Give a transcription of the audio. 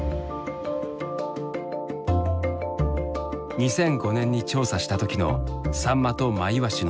２００５年に調査した時のサンマとマイワシの分布図。